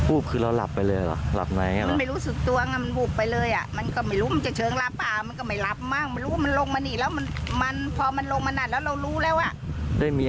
อืม